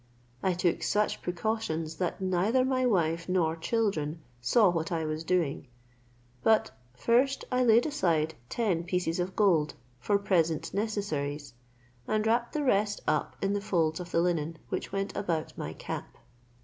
I took such precautions that neither my wife nor children saw what I was doing. But first I laid aside ten pieces of gold for present necessaries, and wrapped the rest up in the folds of the linen which went about my cap.